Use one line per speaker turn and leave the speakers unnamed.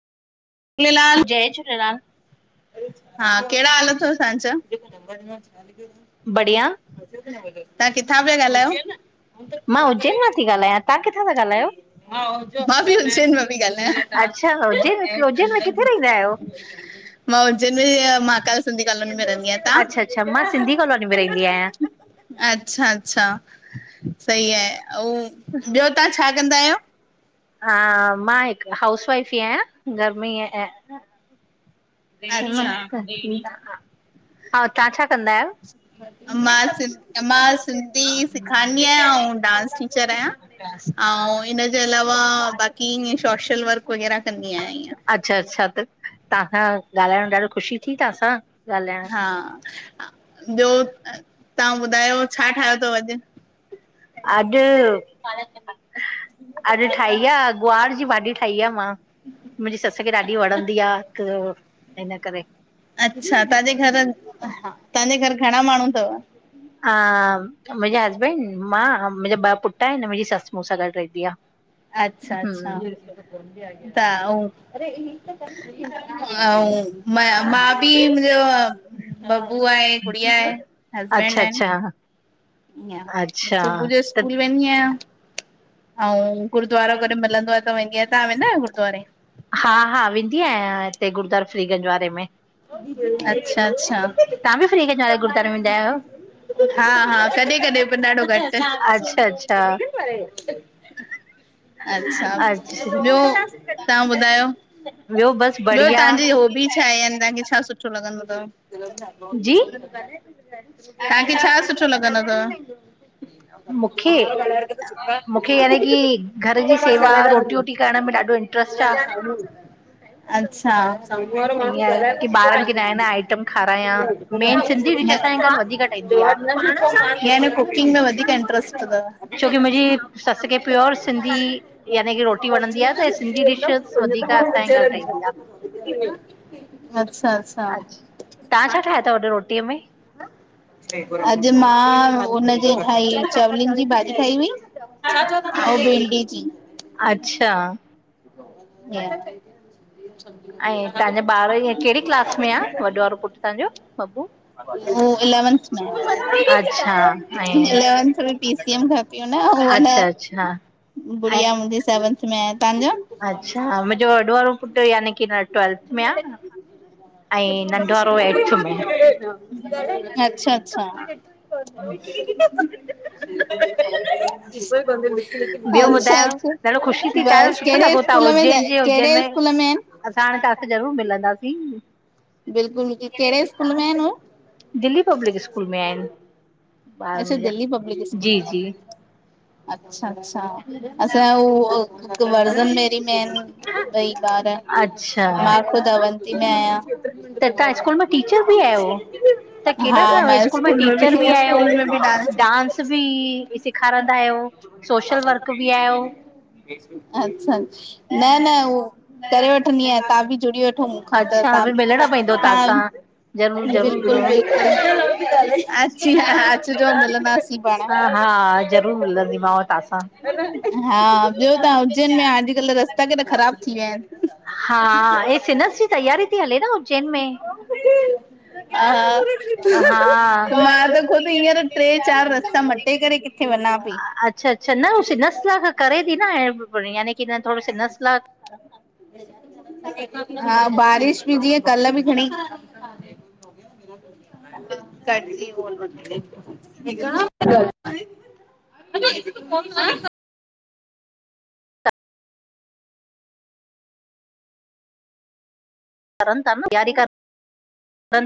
झूलेलाल, जय झूलेलाल हा कहिड़ा हाल अथव तव्हांजा?
बढ़िया
तव्हां किथां पिया ॻाल्हायो?
मां उज्जैन मां थी ॻाल्हायां तव्हां किथां था ॻाल्हायो?
मां बि उज्जैन मां पई गाल्हायां
अच्छा उज्जैन उज्जैन में किथे रहंदा आहियो?
मां उज्जैन में महाकाल सिंधी कॉलोनी में रहंदी आहियां
अच्छा अच्छा मां
तव्हां?
सिंधी कॉलोनी में रहंदी आहियां
अच्छा, अच्छा सही आहे अंऊँ ॿियो तव्हां छा कंदा आहियो?
हा मां हिकु हाउस वाइफ ई आहियां घर में ई आहिंया
अच्छा
हा तव्हां छा कंदा आहियो?
मां सि मां सिंधी सिखांदी आहियां अंऊँ डांस टीचर आहियां अंऊँ इनजे अलावा बाक़ी ईअ शौशल वर्क वग़ैरह कंदी आहियां ईअं।
अच्छा, अच्छा त तव्हां सां ॻाल्हाइणु ॾाढो ख़ुशी थी, तव्हांसां ॻाल्हाइण
हा ॿियो तव्हां ॿुधायो छा ठाहियो अथव अॼु?
अॼु अॼु ठाही आ गुआर जी भाॼी ठाही आ मां मुंहिंजी सस खे ॾाढी वणंदी आहे त हिन करे।
अच्छा तव्हांजे घर हा तव्हांजे घर घणा माण्हू अथव।
ह मुंहिंजे हसबैंड। मां मुंहिंजा ॿ पुट आहिन मुंहिंजी ससु मूंसां गॾु रहंदी आहे।
अच्छा अचछा त ऐं। ऐं मां मां बि मुंहिंजो। बबू आहे गुड़िया आहे हसबैंड
अच्छा
आहिन।
अच्छा अच्छा
सुबुह जो
त
स्कूल वेंदी आहियां। ऐं गुरुूद्वारो गॾु मिलंदो आहे त वेंदी तव्हां वेंदा आहियो गुद्वारे।
हि गुरुद्वारा श्री गंज वारे में।
अच्छा अच्छा। हा
तव्हां बि फ्रीगंज वारे गुरुद्वारे में वेंदा आहियो?
हा कॾहिं कॾहिं ॾाढो घट।
अच्छा अच्छा
अच्छा
अच्छा
ॿियो तव्हां ॿुधायो।
ॿियो बसि
ॿियो
बढ़िया
तव्हांजी हॉबी छा आहे या तव्हांखे छा सुठो लॻंदो अथव।
जी
तव्हांखे छा सुठो लॻंदो अथव।
मूंखे
सोमारो गलाए ता सुठा
मूंखे
आ
यानी की घर
पो
जी
पाड़
सेवा
गलाए ता
रोटी वोटी करण में ॾाढो इंट्रस्ट आ
सगू। अच्छा।
ईअं
पाड़
की
- -
ॿारनि खे नया नया आइटम खारायां मेन सिंधी डिश असांजे घर वधीक ठहींदी आ।
कुकिंग में वधीक इंटरस्ट अथव।
छोकी मुंहिंजी ससु खे प्योर सिंधी यानी की रोटी
कुच
वणंदी आ
बिना
त
सजी
सिंधी
वदो।
डिशस वधीक असांजे घर ठहींदी आ।
अच्छा अच्छा।
अच्छा तव्हां छा ठाहिया अथव अज रोटीअ में।
हा - - अॼु मां हुनजे थाई चवलनि जी भाॼी थाई हुई। छा चवंदा ऐं भिंडी जी।
अच्छा।
हीआ।
ऐं तव्हांजा ॿार ईअं कहिड़ी क्लास में आहे वॾो वारो पुट तव्हांजो बबु '
उ इलेवंथ में इलेवथ
अच्छा ऐं
में पीसीम घ - - हू न
अच्छा अच्छा ऐं
गुड़िया मुंहिंजी सेवेंथ में तव्हांॼो - -
अच्छा मुंहिंजो वॾो वारो पुटु यानी की ट्वेल्थ में आहे।
अच्छा अच्छा। इ - -
ह - -
अच्छा अच्छा
ॾाढो ख़ुशी थी ॾाढो
बस
सुठो
कहिड़े
लॻो था
स्कूल में
उज्जैन जे उज्जैन
कहिड़े। स्कूल में अन् - -
असां हाणे ता सा ज़रूर मिलंदासीं।
बिल्कुल बिल्कुल कहिड़े स्कूल मे आहिन?
दिल्ली पब्लिक स्कूल में आहिन।
अच्छा दिल्ली पब्लिक स्कूल
जी
में
जी
आहिन। अच्छा अच्छा असा उ वर्ज़न मेरी मे अन - - ॿार
अच्छा
मां ख़ुदि अवंती में आहियां।
त तव्हां स्कूल में टीचर बि आहियो त
हा
केॾा तव्हां
मां स्कूल में बि
टीचर
- -
डांस बि सेखारींदा आहियो सोशल वर्क बि आहियो।
अच्छा अच्छा न न उहो - - करे वठंदी आहियां, तव्हां बि जुड़ी वठो मूंखां त
अच्छा
त्हां बि
मिलणो पवंदो तव्हां सां
ताईं
ज़रूरु
बिल्कुलु-
ज़रूरु
बिल्कुलु ॼी ह अच जो मिलंदासीं पाण।
हा हा ज़रूरु मिलंदीमांव तव्हां सां
हा ॿियो तव्हां उज्जैन में आ, अॼुकल्ह रस्ता केॾा ख़राब थी विया आहिनि।
हा हे सिनस जी तयारी थी हले न। उज्जैन में
हा
हा।
मां त ख़ुदि हींअर ट्रे- चारि रस्ता मटे करे किथे वञां पई।
अच्छा- अच्छा न हू स नसला करे थी न बढ़िया, यानी की न थोरो स नसला
[unintelligible] हा बारिश बि जीअं कल्ह बि घणी [unintelligible] [unintelligible]
करं ता न यारी करि